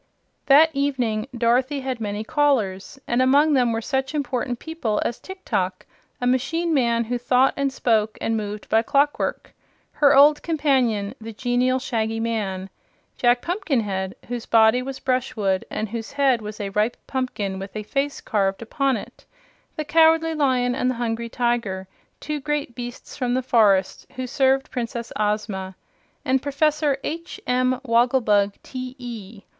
That evening Dorothy had many callers, and among them were such important people as Tiktok, a machine man who thought and spoke and moved by clockwork; her old companion the genial Shaggy Man; Jack Pumpkinhead, whose body was brush wood and whose head was a ripe pumpkin with a face carved upon it; the Cowardly Lion and the Hungry Tiger, two great beasts from the forest, who served Princess Ozma, and Professor H. M. Wogglebug, T.E.